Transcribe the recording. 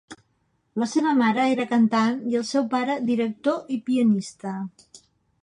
La seva mare era cantant i el seu pare director i pianista.